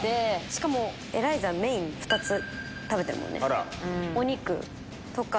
しかもエライザメイン２つ食べてるお肉とか。